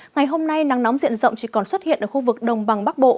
ngày hôm nay nắng nóng diện rộng chỉ còn xuất hiện ở khu vực đồng bằng bắc bộ